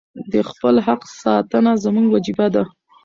د خپل حق ساتنه زموږ وجیبه ده.